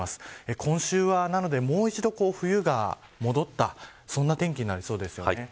今週は、もう一度冬が戻ったそんな天気になりそうです。